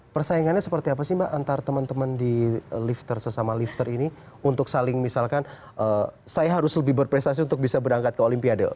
persaingannya seperti apa sih mbak antara teman teman di lifter sesama lifter ini untuk saling misalkan saya harus lebih berprestasi untuk bisa berangkat ke olimpiade